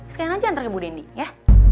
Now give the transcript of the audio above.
sekalian aja antar ke bu dendi ya